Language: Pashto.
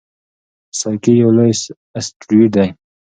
سایکي یو لوی اسټروېډ دی.